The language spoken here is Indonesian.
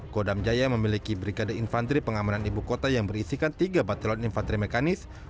kodam jaya memiliki brigade infanteri pengamanan ibu kota yang berisikan tiga batelan infanteri mekanis